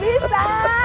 kau pasti bisa